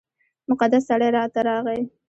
مقدس سړی راته راغی.